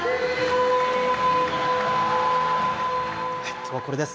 きょうはこれです。